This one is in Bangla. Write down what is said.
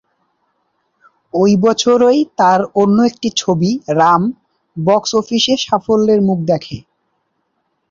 ওই বছরই তার অন্য একটি ছবি "রাম" বক্স অফিসে সাফল্যের মুখ দেখে।